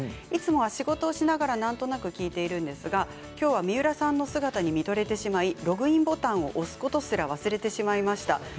いつも仕事をしながらなんとなく聞いているんですがきょうは三浦さんの姿に見とれてしまいログインボタンを押すことすら忘れてしまいました。